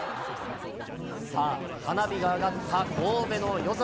さあ、花火が上がった神戸の夜空。